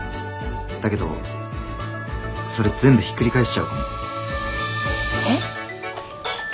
だけどそれ全部ひっくり返しちゃうかも。え？